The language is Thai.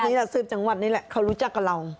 ชุดนี้แหละซืบจังหวัดนี้แหละเขารู้จักกับเรา